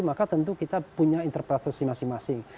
maka tentu kita punya interpretasi masing masing